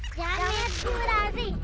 jamet gue rasih